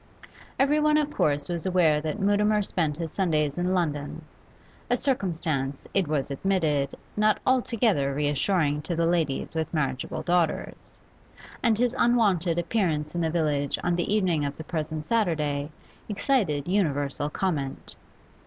Everyone of course was aware that Mutimer spent his Sundays in London (a circumstance, it was admitted, not altogether reassuring to the ladies with marriageable daughters), and his unwonted appearance in the village on the evening of the present Saturday excited universal comment.